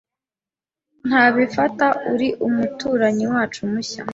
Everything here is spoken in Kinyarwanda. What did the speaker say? Ndabifata uri umuturanyi wacu mushya.